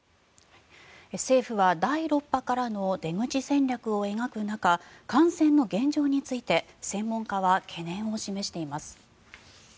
政府は第６波からの出口戦略を描く中感染の現状について専門家は懸念を示しています。